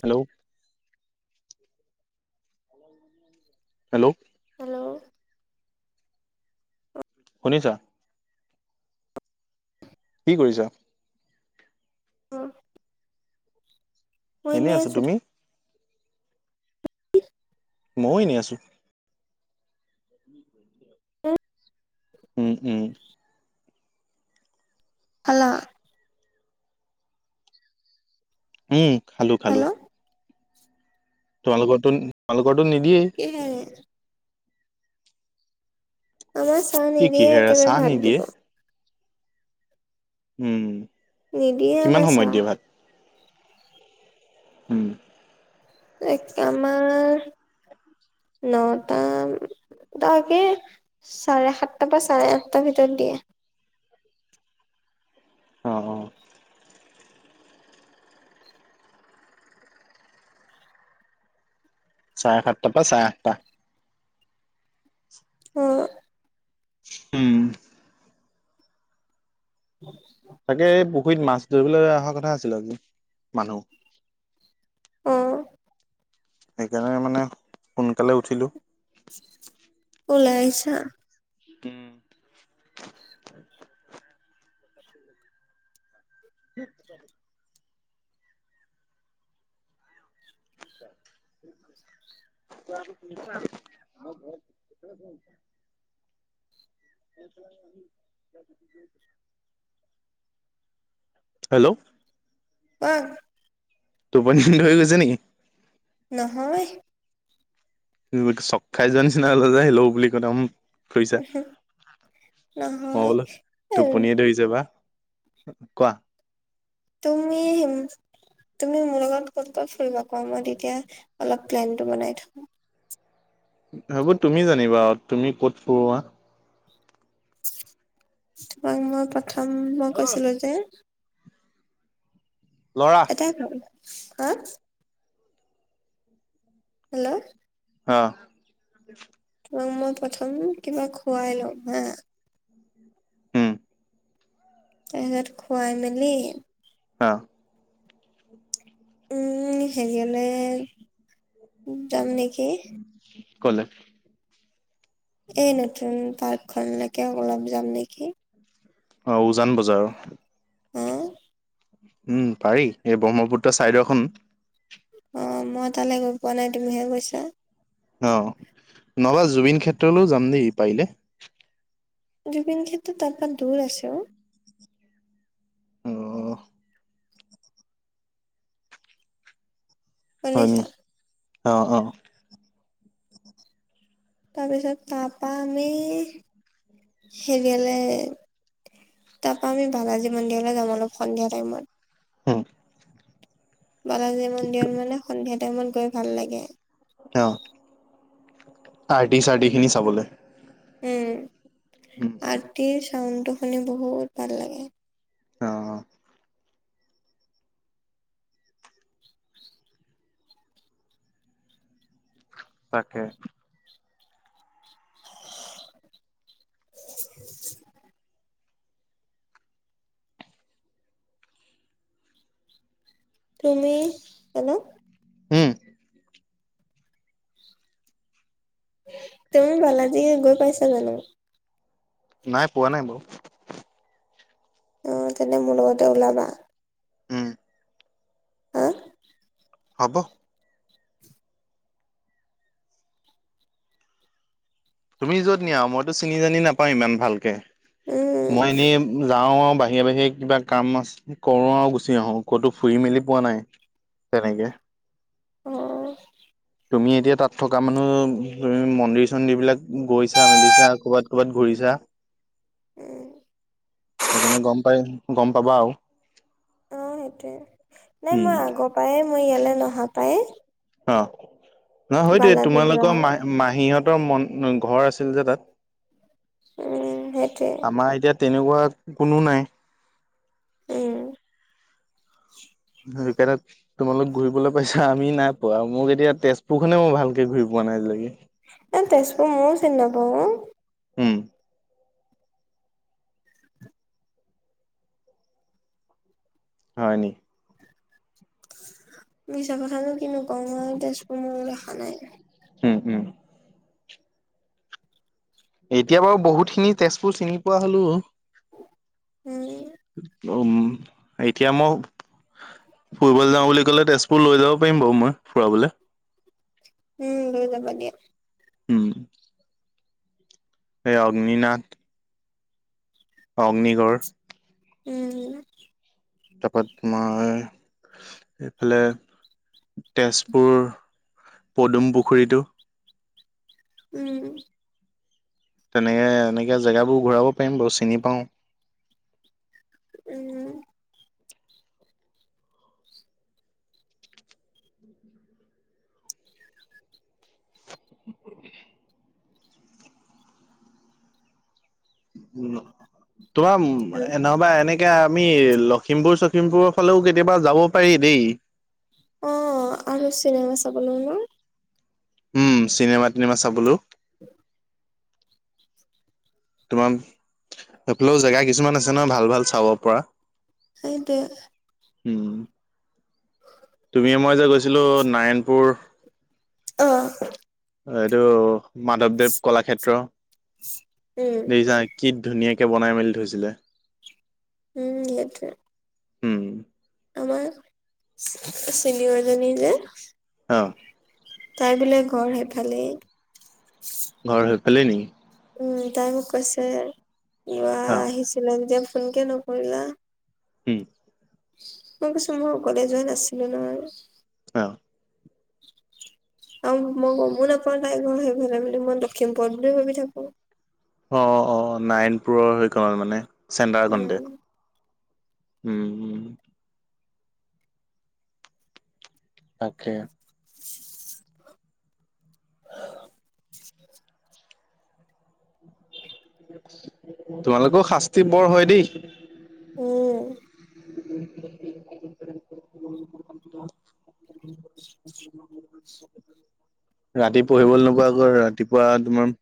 Hello! Hello! Hello. শুনিছা? কি কৰিছা? অঁ এনেই আছো, তুমি? ময়ো এনেই আছোঁ। [unintelligible] উম উম। খালা। উম খালো খালো। হেল্ল' তোমালোকৰটো তোমালোকৰটো নিদিয়েই। এ হয়নে? আমাক চাহ কি নিদিয়ে কিহেৰে একেবাৰে চাহ ভাত নিদিয়ে দিব। উম। নিদিয়ে কিমান আমাক সময়ত চাহ। দিয়ে ভাত উম। ত আমাৰ নটা, তাকে চাৰে সাতটাৰ পৰা চাৰে আঠটাৰ ভিতৰত দিয়ে। অ অ। চাৰে সাতটা পৰা চাৰে আঠটা। উম উম। হয় [inaudible] তাকে এই পুখুৰীত মাছ ধৰিবলৈ অহা কথা আছিল আজি মানুহ। অহ সেইকাৰণে মানে সোনকালে উঠিলোঁ। ওলাইছা। উম স দ [unintelligible] আ পছ ঘ [unintelligible] হেল্ল উম টোপনি ধৰি গৈছে নেকি? নহয়। ছক খাই যোৱা নিচিনা কলা যে হেল্ল বুলি কলা। ফুইছা উহু মই নহয়। বোলো টোপনিয়ে ধৰিছে। ছে বা কোৱা? তুমি উম তুমি মোৰ লগত ক'ত ক'ত ফুৰিবা কোৱা মই তেতিয়া অলপ প্লেনটো বনাই থম। সেইবোৰ তুমি জানিবা তুমি কত ফুৰোৱা। তোমাক মই প্ৰথম মই কৈছিলো যে, লৰা ত খাব হা [unintelligible] হেল্ল অ তোমাক মই প্ৰথম কিবা খুৱাই লম হা। উম, তাৰপিছত খুৱাই মেলি- অ উম হেৰিয়লে- যাম নেকি ক'লে? এই নতুন পাৰ্কখনলৈকে অলপ যাম নেকি? অঁ উজান বজাৰৰ। অহ উম, পাৰি এই ব্ৰহ্মপুত্ৰৰ ছাইডৰখন- অঁ মই তালৈ গৈ পোৱা নাই তুমিহে গৈছা। অ, নহ'লে জুবিন ক্ষেত্ৰলৈও যাম দেই পাৰিলে। জুবিন ক্ষেত্ৰ তাৰপা দূৰ আছে অ। অ হয়নি শুনিছা অঁ অঁ তাৰপিছত তাৰপা আমি সেৰিয়লে- তাৰ পৰা আমি বালাজী মন্দিৰলৈ যাম অলপ সন্ধিয়া টাইমত। উম, বালাজী মন্দিৰত মানে সন্ধিয়া টাইমত গৈ ভাল লাগে অঁ আৰ্টি চাৰ্টি খিনি চাবলে। উম আৰটিৰ চাউণ্ড টো শুনি বহুত ভাল লাগে। অ অ। তাকে। [inaudible] তুমি হেল্লো'? উম। তুমি বালাজী গৈ পাইছা জানো? নাই পোৱা নাই বাৰু। অ তেনে মোৰ লগতে ওলাবা। উম। হা! হ'ব। তুমি যত নিয়া মইতো চিনি জানি নাপাওঁ ইমান ভালকে, উম মই এনেই যাও আৰু বাহিৰে - বাহিৰে কিবা কাম আছে যদি কৰো আৰু গুচি আহো, ক'তো ফুৰি মেলি পোৱা নাই? তেনেকে। অহ। তুমি এতিয়া তাত থকা মানুহ তুমি মন্দিৰ - চন্দিৰবিলাক গৈছা মিলিছা ক'বাত ক'ৰবাত ঘূৰিছা? উম। সেইকাৰণে গম পাই, গম পাবা আৰু। অহ সেইটোৱে, নাই উম মই আগৰ পায় মই ইয়ালে নহা পায়েই। অ, নহয় সেইটোৱেই যোৱা তোমালোকৰ হয়। মাই মাহীহঁতৰ মন ঘৰ আছিল যে তাত, উম সেইটোৱে আমাৰ এতিয়া তেনেকুৱা কোনো নাই। উম। বিোকত [unintelligible] তোমালোক ঘূৰিবলে পাইছা? আমি নাই পোৱা মোক এতিয়া তেজপুৰখনে মই ভালকে ঘূৰি পোৱা নাই আজিলৈকে? এ তেজপুৰ মইও চিনি নাপাওঁ অ। উম। [inaudible] হয় [inaudible] উ [inaudible] হয় নি? মিছা কথানো কিনো কম, মইও তেজপুৰ মইও দেখা নাই? উম উম। এতিয়া বাৰু বহুতখিনি তেজপুৰ চিনি পোৱা হলো। উম। উম এতিয়া মও ফুৰিবলৈ যাওঁ বুলি ক'লে তেজপুৰ লৈ যাব পাৰিম বাৰু মই ফুৰাবলে। উম লৈ যাবা দিয়া। উম। এই অগ্নিনাথ অগ্নিগড়। উম। তাৰপা তোমাৰ এইফালে তেজপুৰ, পদুম পুখুৰীটো উম। তেনেকে এনেকে জেগাবোৰ ঘূৰাব পাৰিম বাৰু চিনি পাওঁ। উম। উ [inaudible] উম, তোমাৰ এম নহ'বা এনেকে আমি লখিমপুৰ- চখিমপুৰৰ ফালেও কেতিয়াবা যাব পাৰি দেই? অ আৰু চিনেমা চাবলে ন। উম চিনেমা তিনেমা চাবলৈও। [inaudible] তোমাৰ সেই ফালেও জেগা কিছুমান আছে নহয় ভাল ভাল চাব পৰা। সেইটোৱে। উম [inaudible] তুমি মই যে গৈছিলোঁ নাৰায়ণপুৰ অহ এইটো মাধৱদেৱ কলাক্ষেত্ৰ, উম দেখিছা কি ধুনীয়াকে বনাই মেলি থৈছিলে। উম, সেইটোৱে। উম আমাৰ চিনিয়ৰজনী যে অ। তাই বোলে ঘৰ সেইফালেই। ঘৰ সেই ফালেই নেকি? উম তাই মোক কৈছে ওৱাহ আহিছিলে যে ফোন কিয় নকৰিলা? উম। মই কৈছো, মই অকলে যোৱা নাছিলো নহয়। অ। অ, মই গমো নাপাও তাই ঘৰ সেইফালে বুলি মই লক্ষিমপুৰত বুলি ভাবি থাকো। অ অ নাৰায়নপুৰ হৈ গল মানে চেণ্টাৰ উম কণ্টে। উম। তাকে। তোমালোকেও শাস্তি বৰ হয় দেই। উম। [inaudible] [inaudible] ৰাতি পঢ়িবলৈ নোকোৱা আকৌ ৰাতিপুৱা তোমাৰ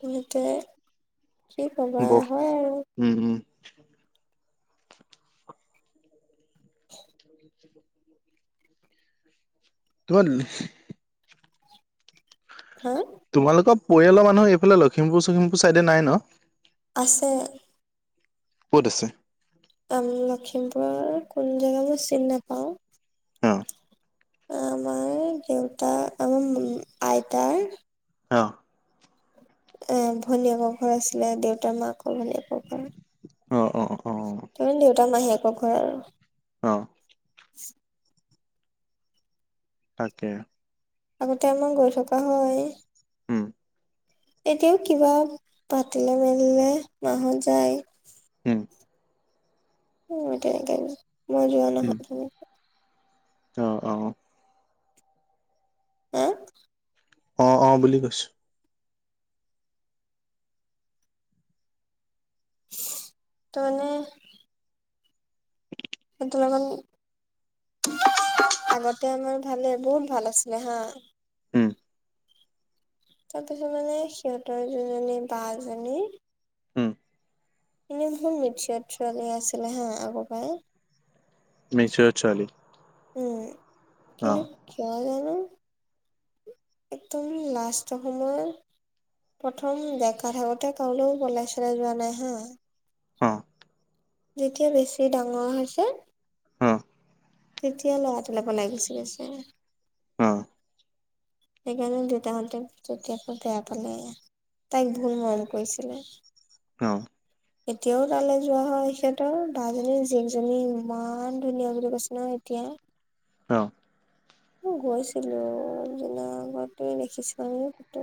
পুলকে কি কবা বৰ হয় আৰু। উম উম। [inaudible] [inaudible] তোমাৰ হা তোমালোকৰ পৰিয়ালৰ মানুহ এইফালে লখিমপুৰ- চখিমপুৰ চাইডে নাই ন? আছে। ক'ত আছে? লখিমপুৰৰ কোন জেগা মই চিনি নাপাওঁ? অঁ। আমাৰ দেউতা, আমাৰ আইতাৰ অ এ ভনীয়েকৰ ঘৰ আছিলে, দেউতাৰ, মাকৰ, ভনীয়েকৰ ঘৰ। অ অ অ অ। তুমি দেউতা মাহিয়েকৰ ঘৰৰ অঁ। তাকে। আগতে আমাৰ গৈ থকা হয়। উম এতিয়াও কিবা পাতিলে মেলিলে মা হত যায়। উম অ তেনেকে, মই যোৱা নাহাটো ত অ। আ! অ অ বুলি কৈছো। চু, তাৰ মানে কিন্তুলন আগতে আমাৰ ভালে বহুত ভাল আছিলে হা। উম। তাৰপিছত মানে সিহঁতৰ যোনজনী বাজনী হুম। এনেই বহুত মিথিয় ছোৱালী আছিলে হা আগৰ পৰাই। মিছৰ ছোৱালী? উম, অ কিন্তু কিয় জানো একদম লাষ্টৰ সময় প্ৰথম ডেকা থাকোতে কালৈ পলাই চলাই যোৱা নাই হা! অ। যেতিয়া বেছি ডাঙৰ হৈছে অহ। তেতিয়া ল'ৰাটোলৈ পলাই গুচি গৈছে। অ সেইকাৰণে দেউতাকহঁতে পুতেকতোক বেয়া পালে। তাইক বহুত মৰম কৰিছিলে। অ। এতিয়াও তালৈ যোৱা হয় সিহঁতৰ বাজনীৰ জীয়েকজনী ইমান ধুনীয়া বুলি কৈছে নহয় এতিয়া। অ গৈছিলো যনা আগতে দেখিছা নেকি ফটো?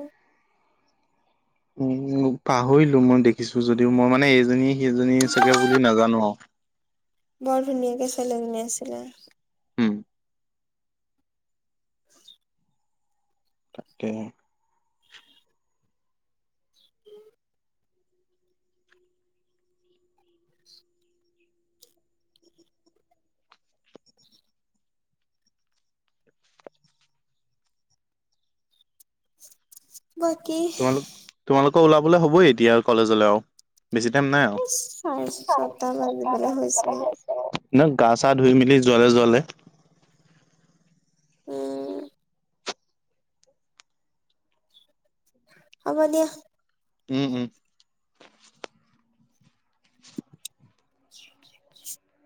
মোক পাহৰিলো মই দেখিছো যদিও মই মানে এইজনী সেইজনী চাগে বুলি নাজানো আৰু। বৰ ধুনীয়াকে ছোৱালী এজনী আছিলে। উম [inaudible] তাকে। [inaudible] বাকী? তোমালোক তোমালোকৰ ওলাবলৈ হ'বই এতিয়া কলেজলৈ আৰু। বেছি টাইম নাই আৰু। চাৰে ছটা বাজিবলে হৈছে মানে গা চা ধুই মেলি যোৱালে যোৱালে। উম। হ'ব দিয়া। উম হুম। [inaudible]